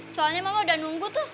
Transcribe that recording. soalnya mama udah nunggu tuh